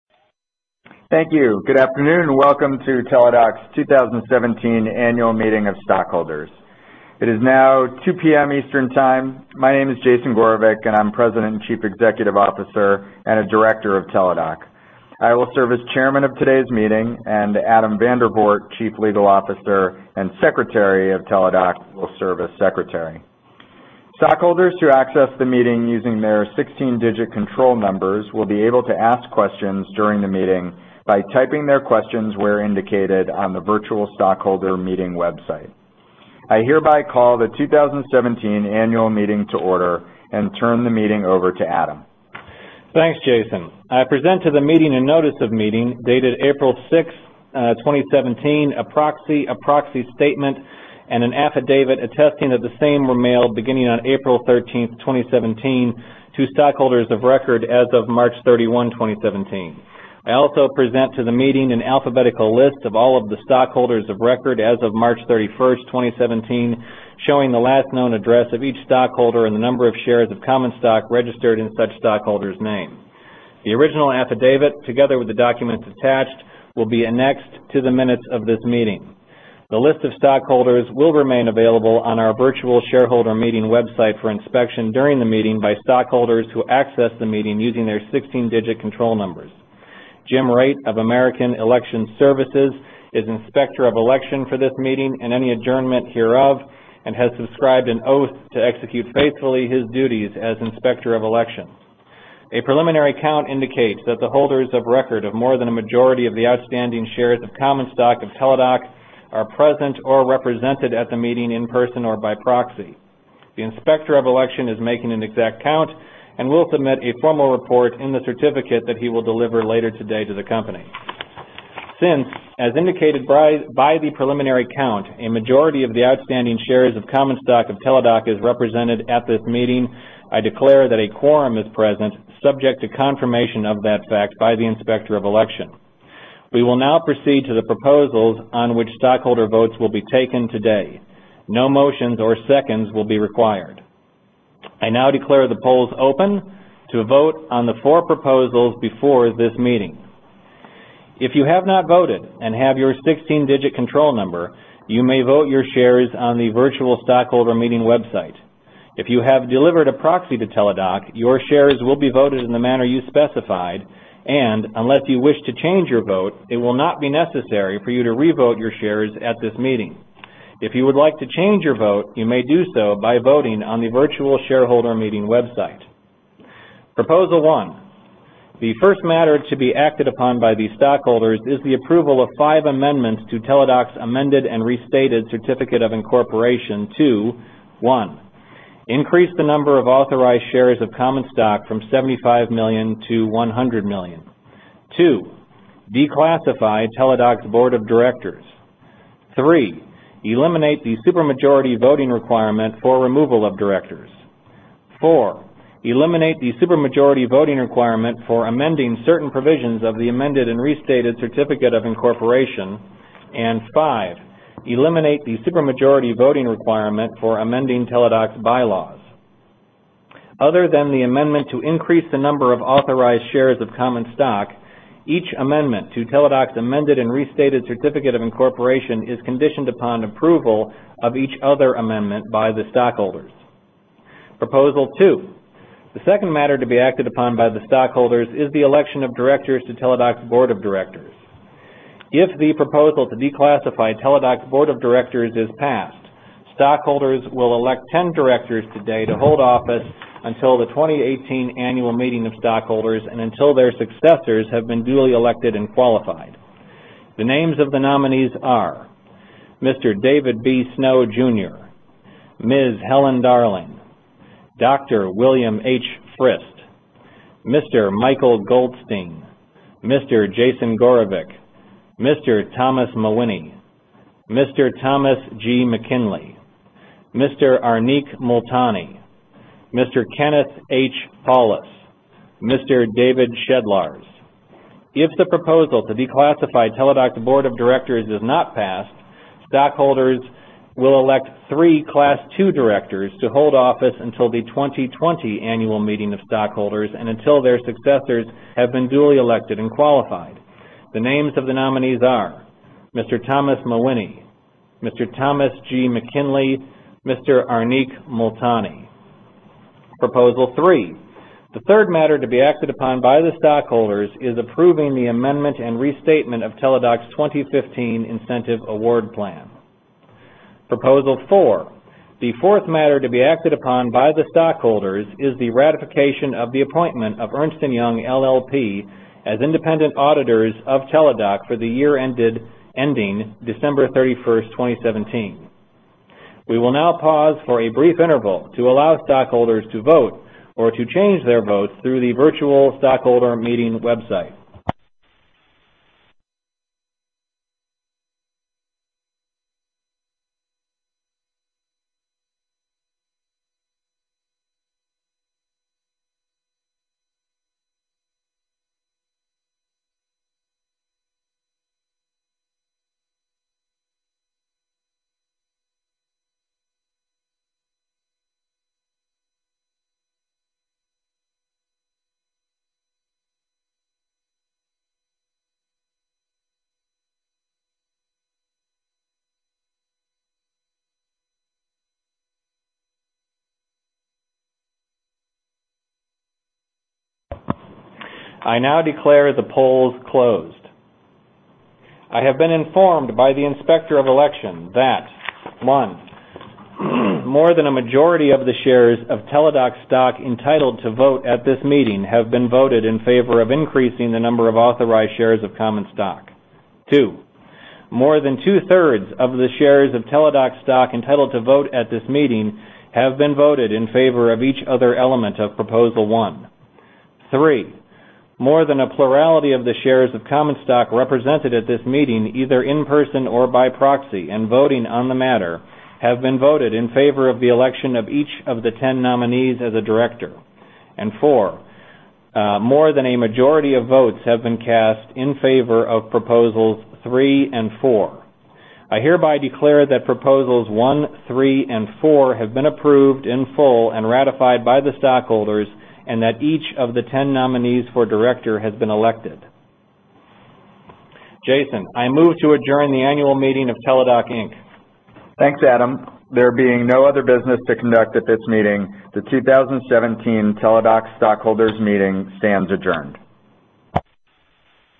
Thank you. Good afternoon, welcome to Teladoc's 2017 Annual Meeting of Stockholders. It is now 2:00 P.M. Eastern Time. My name is Jason Gorevic, I'm President and Chief Executive Officer, and a Director of Teladoc. I will serve as Chairman of today's meeting, Adam Vandervoort, Chief Legal Officer and Secretary of Teladoc, will serve as Secretary. Stockholders who access the meeting using their 16-digit control numbers will be able to ask questions during the meeting by typing their questions where indicated on the virtual stockholder meeting website. I hereby call the 2017 annual meeting to order and turn the meeting over to Adam. Thanks, Jason. I present to the meeting a notice of meeting dated April 6, 2017, a proxy, a proxy statement, and an affidavit attesting that the same were mailed beginning on April 13, 2017, to stockholders of record as of March 31, 2017. I also present to the meeting an alphabetical list of all of the stockholders of record as of March 31, 2017, showing the last known address of each stockholder and the number of shares of common stock registered in such stockholder's name. The original affidavit, together with the documents attached, will be annexed to the minutes of this meeting. The list of stockholders will remain available on our virtual shareholder meeting website for inspection during the meeting by stockholders who access the meeting using their 16-digit control numbers. Jim Wright of American Election Services, LLC is Inspector of Election for this meeting and any adjournment hereof and has subscribed an oath to execute faithfully his duties as Inspector of Election. A preliminary count indicates that the holders of record of more than a majority of the outstanding shares of common stock of Teladoc are present or represented at the meeting in person or by proxy. The Inspector of Election is making an exact count and will submit a formal report in the certificate that he will deliver later today to the company. Since, as indicated by the preliminary count, a majority of the outstanding shares of common stock of Teladoc is represented at this meeting, I declare that a quorum is present, subject to confirmation of that fact by the Inspector of Election. We will now proceed to the proposals on which stockholder votes will be taken today. No motions or seconds will be required. I now declare the polls open to vote on the four proposals before this meeting. If you have not voted and have your 16-digit control number, you may vote your shares on the virtual stockholder meeting website. If you have delivered a proxy to Teladoc, your shares will be voted in the manner you specified, unless you wish to change your vote, it will not be necessary for you to revote your shares at this meeting. If you would like to change your vote, you may do so by voting on the virtual shareholder meeting website. Proposal one. The first matter to be acted upon by the stockholders is the approval of five amendments to Teladoc's amended and restated certificate of incorporation to, one, increase the number of authorized shares of common stock from 75 million to 100 million. Two, declassify Teladoc's board of directors. Three, eliminate the super majority voting requirement for removal of directors. Four, eliminate the super majority voting requirement for amending certain provisions of the amended and restated certificate of incorporation. Five, eliminate the super majority voting requirement for amending Teladoc's bylaws. Other than the amendment to increase the number of authorized shares of common stock, each amendment to Teladoc's amended and restated certificate of incorporation is conditioned upon approval of each other amendment by the stockholders. Proposal two. The second matter to be acted upon by the stockholders is the election of directors to Teladoc's board of directors. If the proposal to declassify Teladoc's board of directors is passed, stockholders will elect 10 directors today to hold office until the 2018 annual meeting of stockholders and until their successors have been duly elected and qualified. The names of the nominees are Mr. David B. Snow Jr., Ms. Helen Darling, Dr. William H. Frist, Mr. Michael Goldstein, Mr. Jason Gorevic, Mr. Thomas Mawhinney, Mr. Thomas G. McKinley, Mr. Arneek Multani, Mr. Kenneth H. Paulus, Mr. David Shedlarz. If the proposal to declassify Teladoc board of directors is not passed, stockholders will elect three class 2 directors to hold office until the 2020 annual meeting of stockholders and until their successors have been duly elected and qualified. The names of the nominees are Mr. Thomas Mawhinney, Mr. Thomas G. McKinley, Mr. Arneek Multani. Proposal three. The third matter to be acted upon by the stockholders is approving the amendment and restatement of Teladoc's 2015 Incentive Award Plan. Proposal four. The fourth matter to be acted upon by the stockholders is the ratification of the appointment of Ernst & Young LLP as independent auditors of Teladoc for the year ending December 31st, 2017. We will now pause for a brief interval to allow stockholders to vote or to change their votes through the virtual stockholder meeting website. I now declare the polls closed. I have been informed by the Inspector of Election that, one, more than a majority of the shares of Teladoc stock entitled to vote at this meeting have been voted in favor of increasing the number of authorized shares of common stock. Two, more than two-thirds of the shares of Teladoc stock entitled to vote at this meeting have been voted in favor of each other element of proposal one. Three, more than a plurality of the shares of common stock represented at this meeting, either in person or by proxy, and voting on the matter, have been voted in favor of the election of each of the 10 nominees as a director. Four, more than a majority of votes have been cast in favor of proposals three and four. I hereby declare that proposals one, three, and four have been approved in full and ratified by the stockholders, and that each of the 10 nominees for director has been elected. Jason, I move to adjourn the annual meeting of Teladoc, Inc. Thanks, Adam. There being no other business to conduct at this meeting, the 2017 Teladoc stockholders meeting stands adjourned.